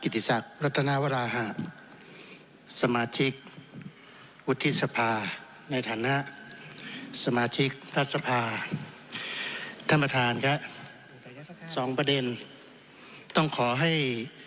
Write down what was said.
ท่านประธานครับ๒ประเด็นต้องขอให้